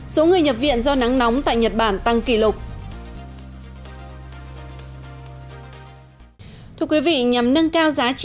số người nhập viện do nắng nắng